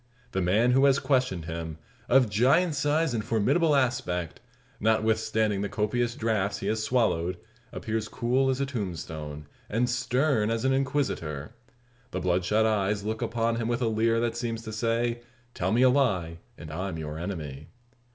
The man who has questioned him of giant size and formidable aspect notwithstanding the copious draughts he has swallowed, appears cool as a tombstone, and stern as an Inquisitor. The bloodshot eyes look upon him with a leer that seems to say: "Tell me a lie, and I'm your enemy."